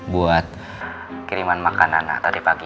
buat kiriman makanan tadi pagi